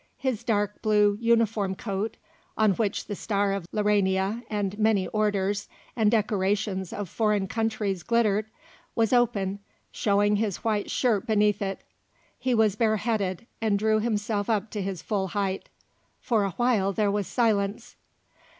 His dark blue uniform coat, on which the star of Laurania and many orders and decorations of foreign countries glittered, was open, showing his white shirt beneath it. He was bare headed and drew himself up to his full height. For a while there was silence.